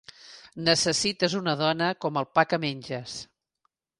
Necessites una dona com el pa que menges.